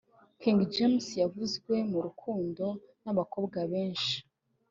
King James yavuzwe mu rukundo n’abakobwa benshi